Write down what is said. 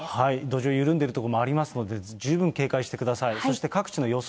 土壌、緩んでいる所もありますので、十分警戒してください。